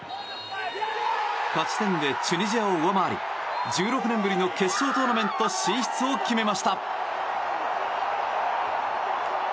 勝ち点でチュニジアを上回り１６年ぶりの決勝トーナメント進出を決めました。